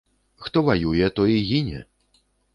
Хто ваюе, той і гіне!